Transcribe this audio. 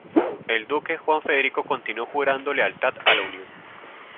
El Duque Juan Federico continuó jurando lealtad a la unión.